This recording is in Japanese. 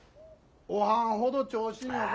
おはんほど調子よか